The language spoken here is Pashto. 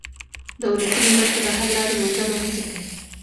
دولتونه دلته د حل لارې موندلو هڅه کوي